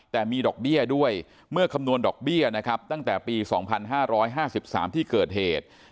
แต่มีดอกเบี้ยด้วยเมื่อคำนวณดอกเบี้ยนะครับตั้งแต่ปี๒๕๕๓ที่เกิดเหตุ